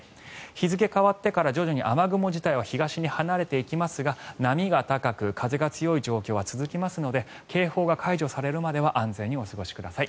日付が変わってから徐々に雨雲自体は東に離れていきますが波が高く風が強い状況は続きますので警報が解除されるまでは安全にお過ごしください。